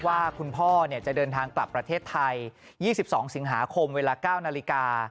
ว่าคุณพ่อจะเดินทางกลับประเทศไทย๒๒สิงหาคมเวลา๙นาฬิกา